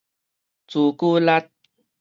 朱古力